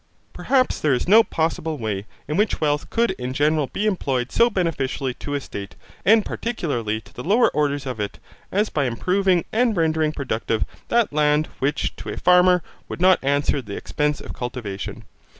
Perhaps there is no possible way in which wealth could in general be employed so beneficially to a state, and particularly to the lower orders of it, as by improving and rendering productive that land which to a farmer would not answer the expense of cultivation.